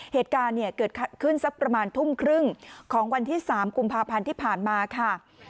เหตุการณ์เนี่ยเกิดขึ้นสักประมาณทุ่มครึ่งของวันที่๓กุมภาพันธ์ที่ผ่านมาค่ะ